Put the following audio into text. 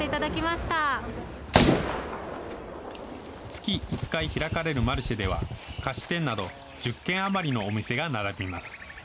月１回開かれるマルシェでは、菓子店など１０軒余りのお店が並びます。